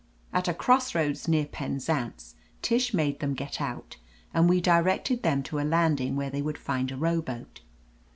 At a crossroads near Penzance, Tish made them get out, and we directed them to a land ing where they would find a rowboat.